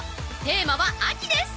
テーマは「秋」です！